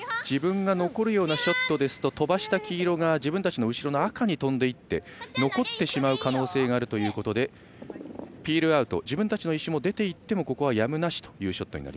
自分が残るようなショットですと飛ばした黄色が自分たちの後ろの赤に飛んでいき残ってしまう可能性があるということでピールアウト自分たちの石が出ていってもここは、やむなしというショット。